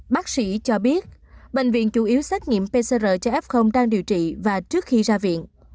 bác sĩ cho biết bệnh viện chủ yếu xét nghiệm pcr cho f đang điều trị và trước khi ra viện